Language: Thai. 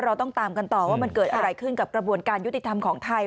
เราต้องตามกันต่อว่ามันเกิดอะไรขึ้นกับกระบวนการยุติธรรมของไทย